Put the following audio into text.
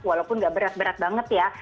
walaupun gak berat berat banget ya